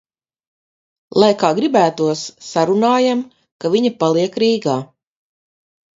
Lai kā gribētos, sarunājam, kad viņa paliek Rīgā.